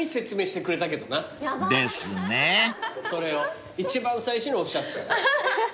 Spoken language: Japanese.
それを一番最初におっしゃってた。